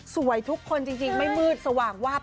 ทุกคนจริงไม่มืดสว่างวาบ